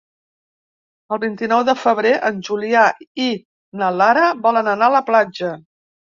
El vint-i-nou de febrer en Julià i na Lara volen anar a la platja.